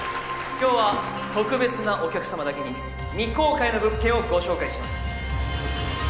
今日は特別なお客様だけに未公開の物件をご紹介します